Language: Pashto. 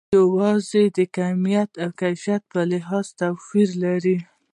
یوازې د کمیت او کیفیت په لحاظ توپیر لري.